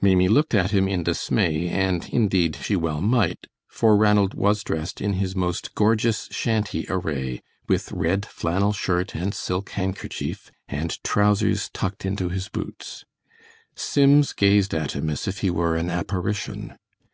Maimie looked at him in dismay, and indeed she well might, for Ranald was dressed in his most gorgeous shanty array, with red flannel shirt and silk handkerchief, and trousers tucked into his boots. Sims gazed at him as if he were an apparition.